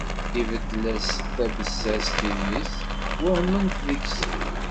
Ibeddel-as tabessast i mmi-s, wehment deg-s.